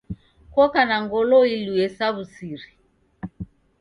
Koka na ngolo ilue sa wu'siri